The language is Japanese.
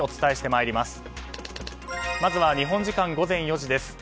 まずは日本時間午前４時です。